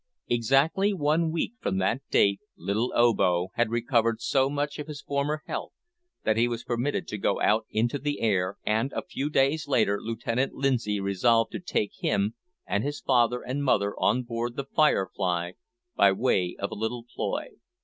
Exactly one week from that date little Obo had recovered so much of his former health that he was permitted to go out into the air, and, a few days later, Lieutenant Lindsay resolved to take him, and his father and mother, on board the `Firefly,' by way of a little ploy.